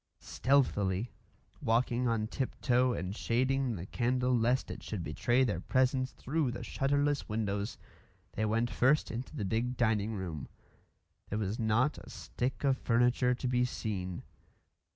Stealthily, walking on tip toe and shading the candle lest it should betray their presence through the shutterless windows, they went first into the big dining room. There was not a stick of furniture to be seen.